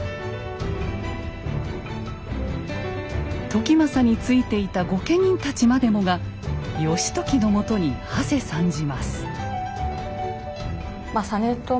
時政についていた御家人たちまでもが義時のもとにはせ参じます。